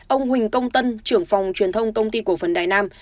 ông huỳnh công tân trưởng phòng truyền thông công ty cổ phần đài nam